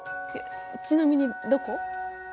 ちなみにどこ？